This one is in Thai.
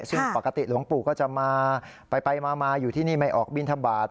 ซึ่งปกติหลวงปู่ก็จะมาไปมาอยู่ที่นี่ไม่ออกบินทบาท